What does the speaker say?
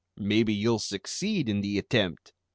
Maybe you'll succeed in the attempt!"